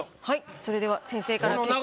それでは先生からの結果。